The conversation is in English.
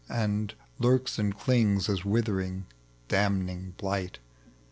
And Inrks and clings as withering, damning blight.